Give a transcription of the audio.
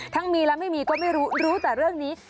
มีและไม่มีก็ไม่รู้รู้แต่เรื่องนี้